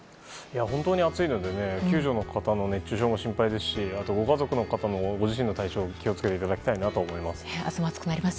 本当に暑いので救助の方の熱中症も心配ですしご家族の方もご自身の体調気を付けていただきたいと思います。